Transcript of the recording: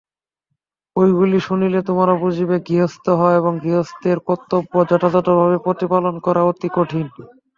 ঐগুলি শুনিলে তোমরা বুঝিবে গৃহস্থ হওয়া এবং গৃহস্থের কর্তব্য যথাযথভাবে প্রতিপালন করা অতি কঠিন।